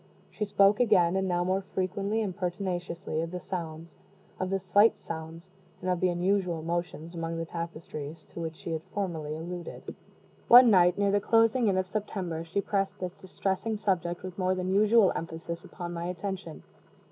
She spoke again, and now more frequently and pertinaciously, of the sounds of the slight sounds and of the unusual motions among the tapestries, to which she had formerly alluded. One night, near the closing in of September, she pressed this distressing subject with more than usual emphasis upon my attention.